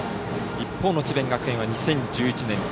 一方の智弁学園は２０１１年